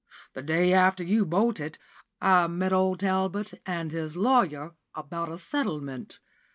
"The day after you bolted I met old Talbot and his lawyer about a settlement.